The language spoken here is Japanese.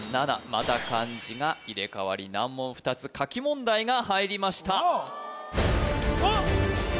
また漢字が入れ替わり難問２つ書き問題が入りましたあっ・来た